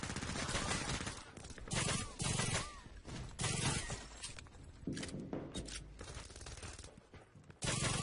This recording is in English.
The ceremonies had not yet dwindled into mere shows and pageants.